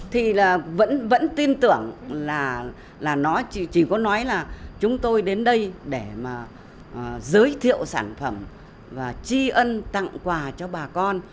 thì là vẫn vẫn tin tưởng là nó chỉ có nói là chúng tôi đến đây để mà giới thiệu sản phẩm và tri ân tặng quà cho bà con